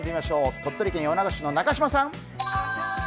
鳥取県米子市の中島さん。